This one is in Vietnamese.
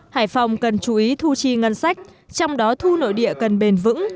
hải phòng cần chú ý thu chi ngân sách trong đó thu nội địa cần bền vững